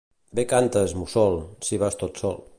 Bé cantes, mussol, si vas tot sol.